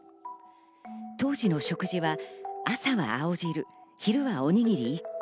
当時の食事は朝は青汁、昼はおにぎり１個。